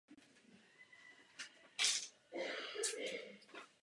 Původ zabarvení stále nebyl uspokojivě vyřešen.